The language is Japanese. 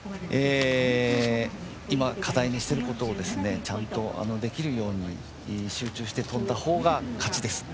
今、課題にしていることをちゃんとできるように集中して飛んだ方が勝ちですね。